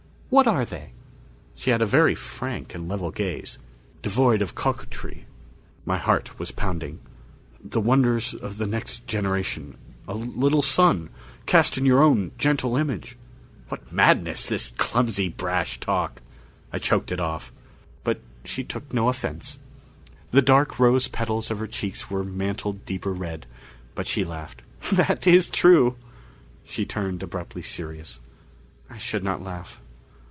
What are they?" She had a very frank and level gaze, devoid of coquetry. My heart was pounding. "The wonders of the next generation. A little son, cast in your own gentle image " What madness, this clumsy, brash talk! I choked it off. But she took no offense. The dark rose petals of her cheeks were mantled deeper red, but she laughed. "That is true." She turned abruptly serious. "I should not laugh.